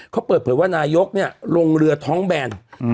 เขาเปิดเผยว่านายกเนี่ยลงเรือท้องแบน